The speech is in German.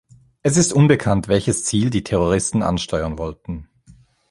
Es ist unbekannt, welches Ziel die Terroristen ansteuern wollten.